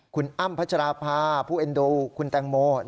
คุณอ้ำพัชราภาผู้เอ็นดูคุณแตงโม